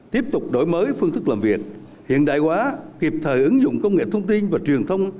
tiếp tục đổi mới phương thức làm việc hiện đại hóa kịp thời ứng dụng công nghệ thông tin và truyền thông